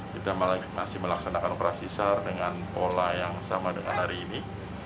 kita masih melaksanakan operasi sar dengan pola yang sama dengan hari ini